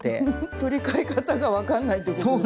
取り替え方が分かんないってことですね。